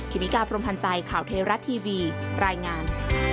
มิกาพรมพันธ์ใจข่าวเทราะทีวีรายงาน